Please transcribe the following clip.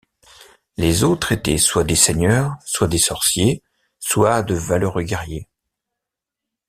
Les autres étaient soit des seigneurs, soit des sorciers, soit de valeureux guerriers.